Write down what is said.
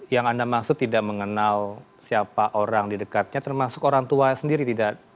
yang anda maksud tidak mengenal siapa orang di dekatnya termasuk orang tua sendiri tidak